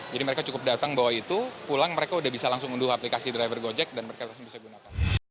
jadi mereka cukup datang pulang mereka sudah bisa langsung unduh aplikasi driver gojek dan mereka langsung bisa berundur